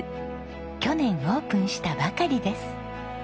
去年オープンしたばかりです。